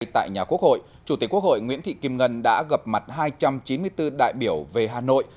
tại nhà quốc hội chủ tịch quốc hội nguyễn thị kim ngân đã gặp mặt hai trăm chín mươi bốn đại biểu về hà nội